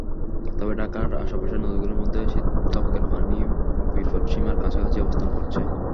তবে ঢাকার আশপাশের নদীগুলোর মধ্যে শীতলক্ষ্যার পানি বিপৎসীমার কাছাকাছি অবস্থান করছে।